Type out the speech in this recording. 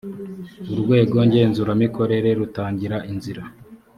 urwego ngenzuramikorere rutangira inzira